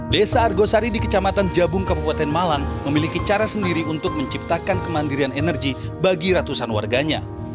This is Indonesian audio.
desa argosari di kecamatan jabung kabupaten malang memiliki cara sendiri untuk menciptakan kemandirian energi bagi ratusan warganya